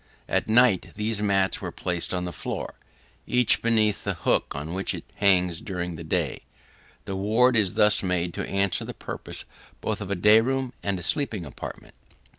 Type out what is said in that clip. At night, these mats are placed on the floor, each beneath the hook on which it hangs during the day; and the ward is thus made to answer the purposes both of a day room and sleeping apartment.